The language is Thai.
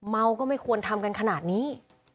ก็ไม่ควรทำกันขนาดนี้